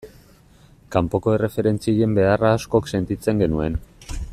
Kanpoko erreferentzien beharra askok sentitzen genuen.